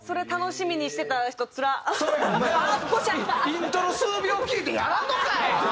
イントロ数秒聴いてやらんのかい！